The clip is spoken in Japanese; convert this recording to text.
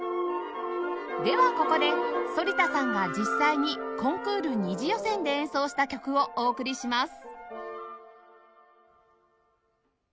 ではここで反田さんが実際にコンクール２次予選で演奏した曲をお送りします